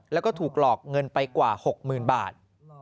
แล้วก็ถูกหลอกเงินไปกว่า๖๐๐๐บาท